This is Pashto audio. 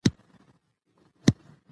کندز سیند د افغانانو د معیشت یوه سرچینه ده.